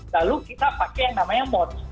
lalu kita pakai yang namanya mot